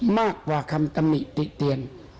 มากกว่าคำธรรมิติเตียน